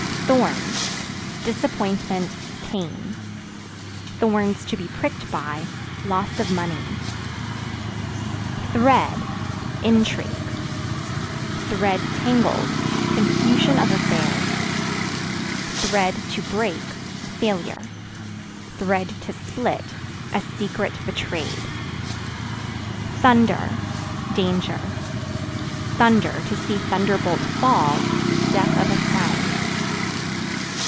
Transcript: Thorns Disappointment, pain; (to be pricked by) loss of money. Thread Intrigue; (tangled) confusion of affairs; (to break) failure; (to split) a secret betrayed. Thunder Danger; (to see thunderbolt fall) death of a friend.